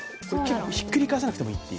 ひっくり返さなくてもいいという。